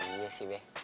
iya sih be